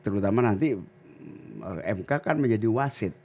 terutama nanti mk kan menjadi wasit